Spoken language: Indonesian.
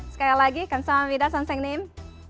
sekali lagi kamsahamnida sonsengnim